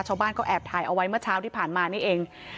ชาวบ้านก็แอบถ่ายเอาไว้เมื่อเช้าที่ผ่านมานี่เอง